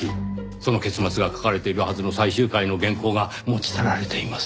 その結末が書かれているはずの最終回の原稿が持ち去られています。